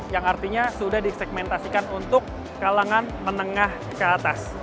yang artinya sudah disegmentasikan untuk kalangan menengah ke atas